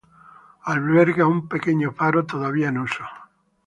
Alberga un pequeño faro todavía en uso.